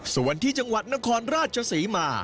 ส่วนที่จังหวัดนครราชศรีมา